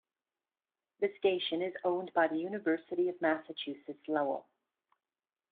The station is owned by the University of Massachusetts Lowell.